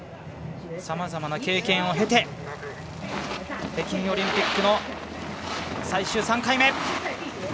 さまざまな経験を経て北京オリンピックの最終３回目。